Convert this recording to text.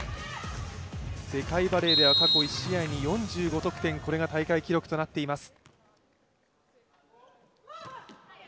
世界バレーでは過去１試合に４５得点、これが大会記録となっています。